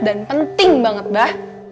dan penting banget bah